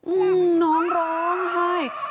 อุ้งน้องร้องฟะให้